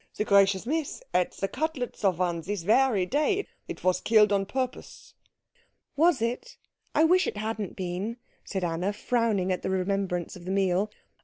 The gracious Miss ate the cutlets of one this very day. It was killed on purpose." "Was it? I wish it hadn't been," said Anna, frowning at the remembrance of that meal.